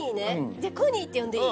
じゃあコニーって呼んでいい？